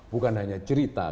bukan hanya cerita